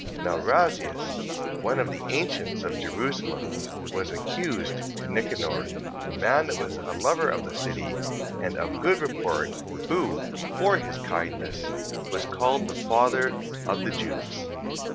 14:37. Now Razias, one of the ancients of Jerusalem, was accused to Nicanor, a man that was a lover of the city, and of good report, who for his kindness was called the father of the Jews.